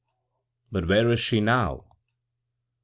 " But where is she now ?